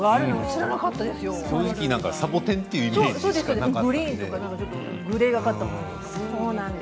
正直、サボテンのイメージしかなかったので。